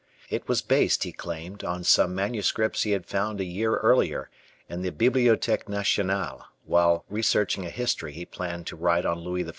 It was based, he claimed, on some manuscripts he had found a year earlier in the Bibliotheque Nationale while researching a history he planned to write on Louis XIV.